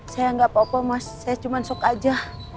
saya nggak apa apa mas saya cuma sok aja